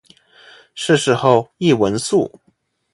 逝世后谥文肃。